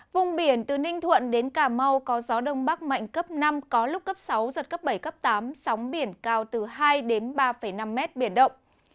vùng biển từ ninh thuận đến cà mau có gió đông bắc mạnh cấp năm có lúc cấp sáu giật cấp bảy cấp tám sóng biển cao từ hai ba năm mét biển động